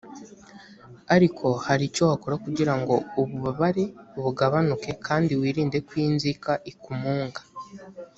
ariko hari icyo wakora kugira ngo ububabare bugabanuke kandi wirinde ko inzika ikumunga